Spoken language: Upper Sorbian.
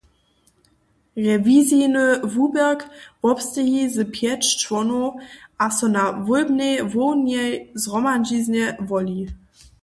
Rewizijny wuběrk wobsteji z pjeć čłonow a so na wólbnej hłownej zhromadźiznje woli.